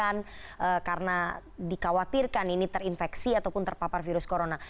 yang karena dikhawatirkan ini terinfeksi ataupun terpapar virus corona